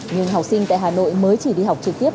nhưng học sinh tại hà nội mới chỉ đi học trực tiếp